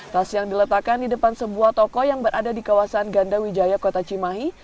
tas yang diletakkan di depan sebuah toko yang berada di kawasan ganda wijaya kota cimahi